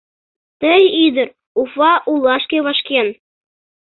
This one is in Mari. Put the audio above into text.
Ты ӱдыр Уфа олашке вашкен.